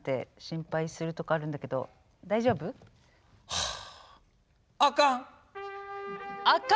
はあ。